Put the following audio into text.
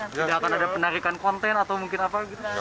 tidak akan ada penarikan konten atau mungkin apa gitu